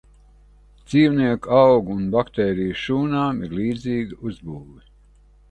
Dzīvnieku, augu un baktēriju šūnām ir līdzīga uzbūve.